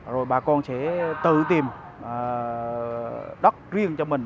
rồi bà con sẽ tự tìm đất riêng cho mình